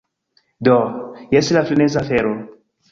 Do, jes la freneza afero